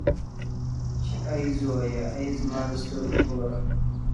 چي اې زویه اې زما د سترګو توره.